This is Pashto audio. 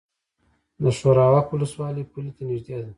د شورابک ولسوالۍ پولې ته نږدې ده